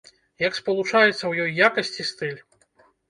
Як спалучаецца ў ёй якасць і стыль?